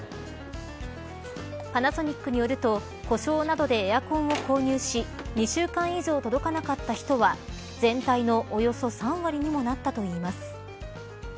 パナソニックによると故障などでエアコンを購入し２週間以上届かなかった人は全体のおよそ３割にもなったといいます。